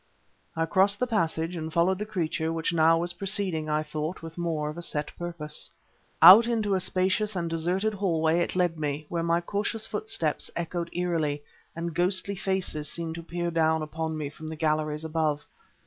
I crossed the passage and followed the creature, which now was proceeding, I thought, with more of a set purpose. Out into a spacious and deserted hallway it led me, where my cautious footsteps echoed eerily, and ghostly faces seemed to peer down upon me from the galleries above.